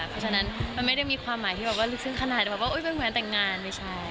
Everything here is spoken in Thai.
เพราะฉะนั้นมันไม่ได้มีความหมายที่ลึกซึ้งขนาดว่ามันเหมือนกับแต่งงานไม่ใช่